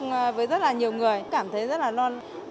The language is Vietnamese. tôi đã tiếp xúc với rất là nhiều người cảm thấy rất là non